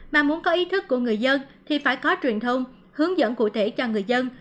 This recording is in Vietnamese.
mà muốn có ý thức của người dân thì phải có truyền thông hướng dẫn cụ thể cho người dân